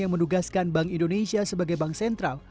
yang menugaskan bank indonesia sebagai bank sentral